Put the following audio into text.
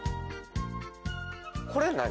これ何？